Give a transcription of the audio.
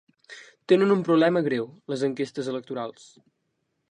Tenen un problema greu, les enquestes electorals.